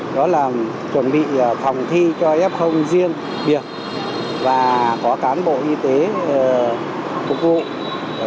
đó là chuẩn bị phòng thi cho f riêng biệt và có cán bộ y tế phục vụ